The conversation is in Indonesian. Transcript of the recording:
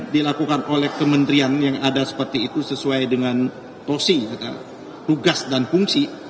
dilakukan oleh kementerian yang ada seperti itu sesuai dengan tosi tugas dan fungsi